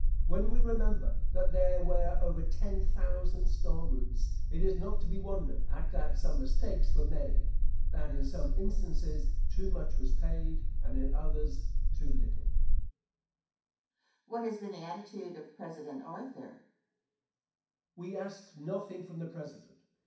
When we remember that there were over ten thousand star routes, it is not to be wondered at that some mistakes were made that in some instances too much was paid and in others too little. Question. What has been the attitude of President Arthur? Answer. We asked nothing from the President.